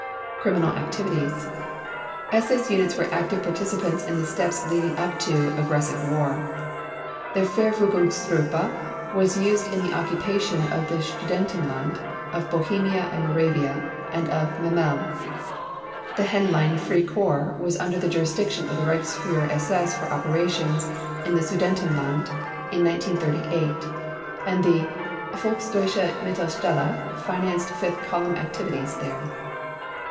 Criminal Activities: SS units were active participants in the steps leading up to aggressive war. The Verfügungstruppe was used in the occupation of the Sudetenland, of Bohemia and Moravia, and of Memel. The Henlein Free Corps was under the jurisdiction of the Reichsführer SS for operations in the Sudetenland in 1938, and the Volksdeutschemittelstelle financed fifth column activities there.